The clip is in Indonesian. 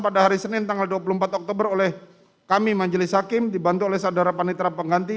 pada hari senin tanggal dua puluh empat oktober oleh kami majelis hakim dibantu oleh saudara panitra pengganti